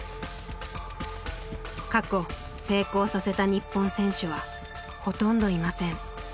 過去成功させた日本選手はほとんどいません。